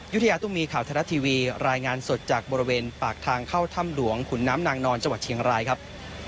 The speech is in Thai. ยุธยาตุ้มีข่าวไทยรัฐทีวีรายงานสดจากบริเวณปากทางเข้าถ้ำหลวงขุนน้ำนางนอนจังหวัดเชียงรายครับ